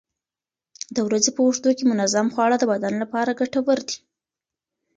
د ورځې په اوږدو کې منظم خواړه د بدن لپاره ګټور دي.